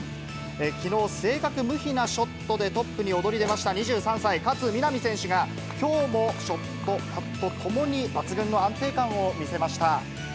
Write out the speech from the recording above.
きのう、正確無比なショットでトップに躍り出ました２３歳、勝みなみ選手が、きょうもショット、パットともに抜群の安定感を見せました。